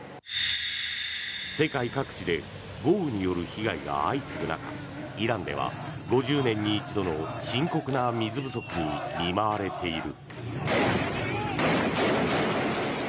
世界各地で豪雨による被害が相次ぐ中イランでは５０年に一度の深刻な水不足に見舞われている。